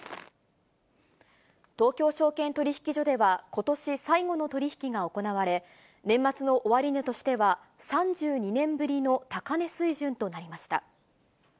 東京証券取引所では、ことし最後の取り引きが行われ、年末の終値としては３２年ぶりの高値水準となりました。